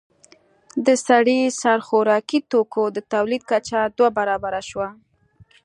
د سړي سر خوراکي توکو د تولید کچه دوه برابره شوه